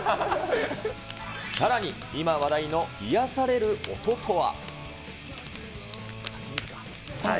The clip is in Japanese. さらに今話題の癒やされる音とは。